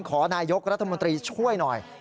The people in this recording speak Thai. ขอนายกรัฐมนตรีช่วยหน่อย